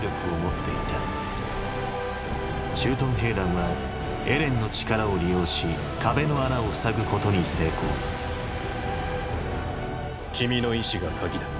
駐屯兵団はエレンの力を利用し壁の穴を塞ぐことに成功君の意志が「鍵」だ。